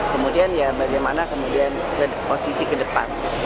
kemudian ya bagaimana kemudian posisi ke depan